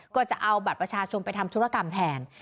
ก็จะเอาบัตรประชาชนไปทำธุรกรรมแทน